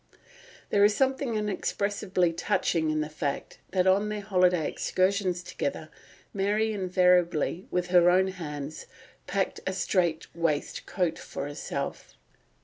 There is something inexpressibly touching in the fact that on their holiday excursions together, Mary invariably, with her own hands, packed a strait waistcoat for herself.